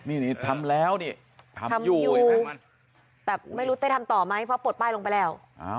นี่ทำแล้วนี่ทำอยู่แต่ไม่รู้เต้ทำต่อไหมเพราะปลดป้ายลงไปแล้ว